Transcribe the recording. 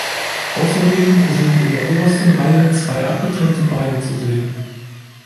Außerdem sind in der obersten Reihe zwei abgetrennte Beine zu sehen.